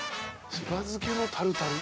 柴漬けのタルタル？